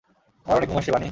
আমার অনেক ঘুম আসছে, বানি!